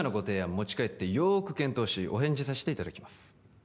持ち帰ってよく検討しお返事させていただきます